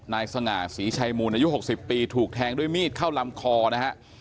นายจะง่าสีชายหมู่ณอายุ๖๐ปีถูกแทงด้วยมีดเข้าลำคอนะ